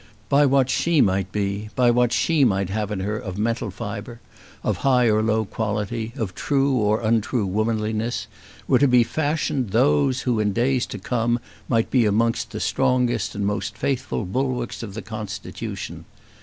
By what she might be, by what she might have in her of mental fibre, of high or low quality, of true or untrue womanliness, were to be fashioned those who in days to come might be amongst the strongest and most faithful bulwarks of the constitution.